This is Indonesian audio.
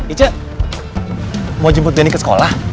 ica mau jemput denny ke sekolah